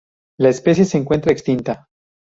La especie se encuentra extinta.